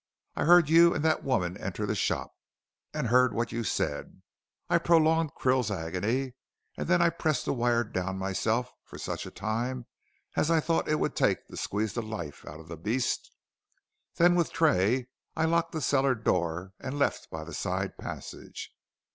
I heard you and that woman enter the shop, and heard what you said. I prolonged Krill's agony, and then I pressed the wire down myself for such a time as I thought it would take to squeeze the life out of the beast. Then with Tray I locked the cellar door and left by the side passage.